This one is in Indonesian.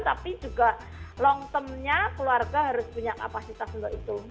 tapi juga long termnya keluarga harus punya kapasitas untuk itu